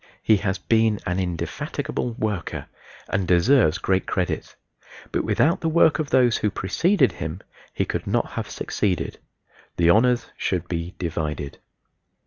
He has been an indefatigable worker and deserves great credit; but without the work of those who preceded him he could not have succeeded: the honors should be divided.